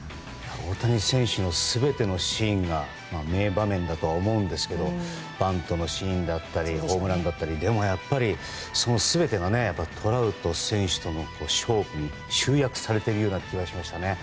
大谷選手の全てのシーンが名場面だと思うんですがバントのシーンだったりホームランだったりでも、やっぱり全てがトラウト選手との勝負に集約されているような気がしましたね。